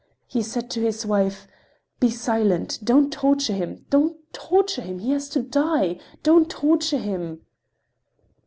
He said to his wife: "Be silent! Don't torture him! Don't torture him! He has to die! Don't torture him!"